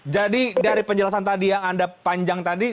jadi dari penjelasan tadi yang anda panjang tadi